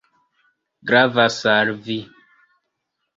Gravas al vi.